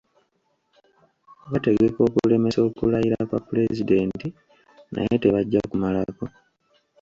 Bategeka okulemesa okulayira kwa Pulezidenti naye tebajja kumalako.